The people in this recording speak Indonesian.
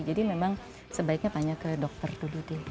jadi memang sebaiknya tanya ke dokter dulu deh